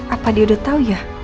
apa dia udah tau ya